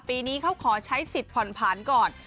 ปีนี้เขาขอใช้สิทธิ์ผ่อนผันก่อน